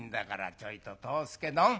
ちょいと藤助どん。